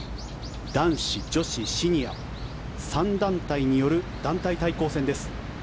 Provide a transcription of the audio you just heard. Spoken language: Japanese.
男子、女子、シニア３団体による団体対抗戦です。